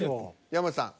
山内さん